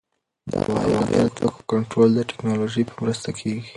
د هوايي الوتکو کنټرول د ټکنالوژۍ په مرسته کېږي.